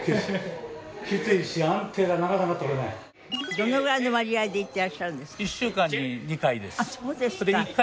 どのぐらいの割合で行ってらっしゃるんですか？